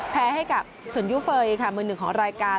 แพ้ให้กับเฉินยูเฟย์ค่ะมือ๑ของรายการ